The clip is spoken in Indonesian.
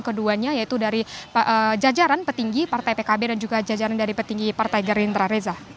keduanya yaitu dari jajaran petinggi partai pkb dan juga jajaran dari petinggi partai gerindra reza